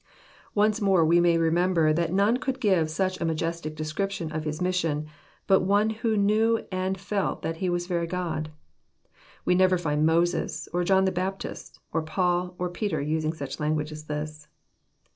Once more we may remember that none could give such a majestic description of His mission, but one who knew and felt that He was very God. We never find Moses, or John the Bap tist, or Paul, or Peter, using such language as this.